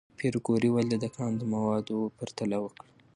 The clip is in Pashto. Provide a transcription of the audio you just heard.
پېیر کوري ولې د کان د موادو پرتله وکړه؟